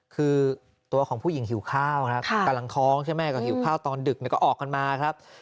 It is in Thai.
คือตัวของผู้หญิงหิวข้าวครับกำลังท้องใช่ไหมก็หิวข้าวตอนดึกก็ออกกันมาครับ